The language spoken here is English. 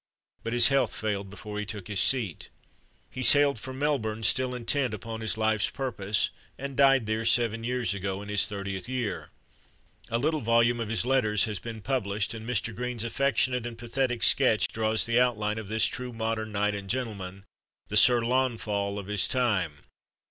But his health failed before he took his seat. He sailed for Melbourne, still intent upon his life's purpose, and died there seven years ago, in his thirtieth year. A little volume of his letters has been published, and Mr. Green's affectionate and pathetic sketch draws the outline of this true modern knight and gentleman, the Sir Launfal of this time.